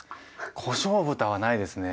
こしょう豚はないですね。